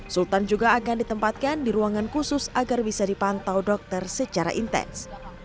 sultan juga akan ditempatkan di ruangan khusus agar bisa dipantau dokter secara intens